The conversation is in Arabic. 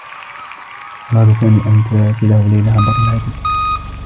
أراد سامي أن تراسله ليلى عبر الهاتف.